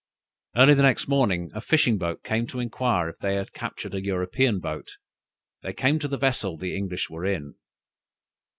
Early the next morning, a fishing boat came to inquire if they had captured an European boat; they came to the vessel the English were in.